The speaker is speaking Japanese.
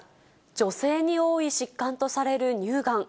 女性に多い疾患とされる乳がん。